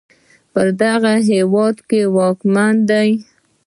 پر دغه هېواد واکمن دی